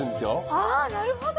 あぁなるほど！